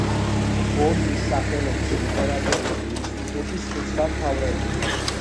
გორკის სახელობის ლიტერატურული ინსტიტუტის კურსდამთავრებული.